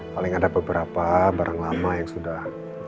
paling ada beberapa barang lama yang sudah